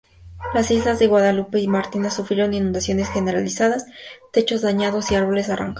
Las islas de Guadalupe y Martinica sufrieron inundaciones generalizadas, techos dañados y árboles arrancados.